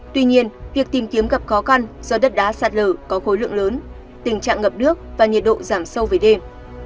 tuy nhiên việc tìm kiếm gặp khó khăn do đất đá sạt lở có khối lượng lớn tình trạng ngập nước và nhiệt độ giảm sâu về đêm